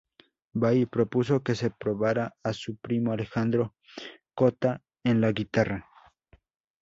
Vai propuso que se probara a su primo Alejandro Cota en la guitarra.